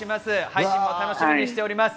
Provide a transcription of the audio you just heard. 配信も楽しみにしております。